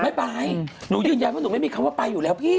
ไม่ไปหนูยืนยันว่าหนูไม่มีคำว่าไปอยู่แล้วพี่